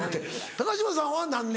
高嶋さんは何年？